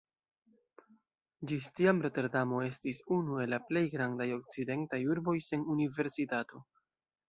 Ĝis tiam Roterdamo estis unu el la plej grandaj okcidentaj urboj sen universitato.